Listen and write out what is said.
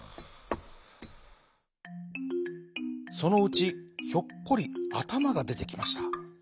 そのうちヒョッコリあたまがでてきました。